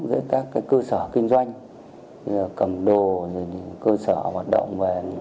giữa các cơ sở kinh doanh cầm đồ cơ sở hoạt động về